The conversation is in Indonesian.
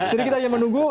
jadi kita hanya menunggu